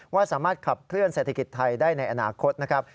ว่าสามารถขับเคลื่อนเศรษฐกิจไทยได้ในอนาคตนะครับ